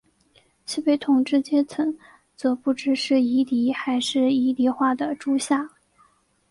其被统治阶层则不知是夷狄还是夷狄化的诸夏。